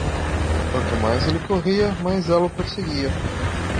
Quanto mais ele corria, mais ela o perseguia.